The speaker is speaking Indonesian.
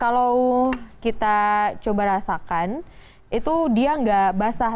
kalau kita coba rasakan itu dia nggak basah